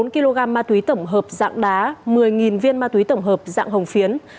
bốn kg ma túy tổng hợp dạng đá một mươi viên ma túy tổng hợp dạng hồng phiến